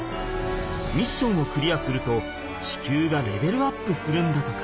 ミッションをクリアすると地球がレベルアップするんだとか。